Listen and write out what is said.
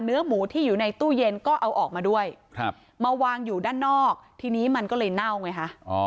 เนื้อหมูที่อยู่ในตู้เย็นก็เอาออกมาด้วยมาวางอยู่ด้านนอกทีนี้มันก็เลยเน่าไงฮะ